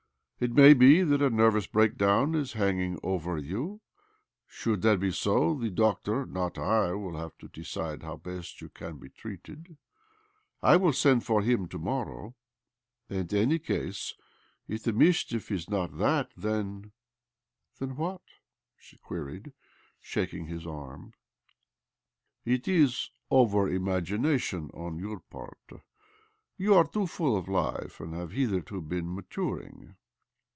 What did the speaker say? " It may be that a nervous break down is hanging over you. S|hould that be so, the doctor, not I, will have to decide how best you can be treated. I will send for him to morrow. In any case, if the mischief is not that, then "" Then what ?" she queried, shaking his arm. " It is over imagination on your part. You are too full of life, and have hitherto been maturing."